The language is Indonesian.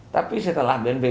tapi kita bisa mencari pcr